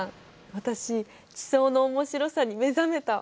私地層の面白さに目覚めたわ。